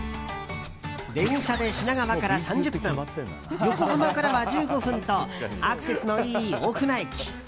電車で品川から３０分横浜からは１５分とアクセスのいい大船駅。